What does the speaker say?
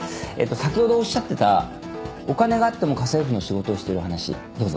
先ほどおっしゃってたお金があっても家政婦の仕事をしている話どうぞ。